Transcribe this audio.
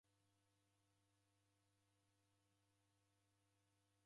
Nani wareda ugho w'ujumbe?